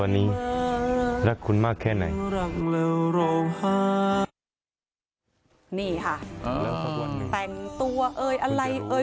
นี่ค่ะแต่งตัวเอ่ยอะไรเอ่ย